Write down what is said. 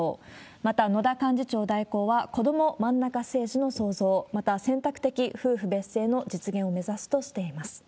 また、野田幹事長代行は、こどもまんなか政治の創造、また、選択的夫婦別姓の実現を目指すとしています。